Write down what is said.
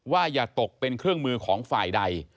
อย่าตกเป็นเครื่องมือของฝ่ายใด